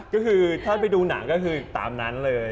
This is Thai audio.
ก็คือถ้าไปดูหนังก็คือตามนั้นเลย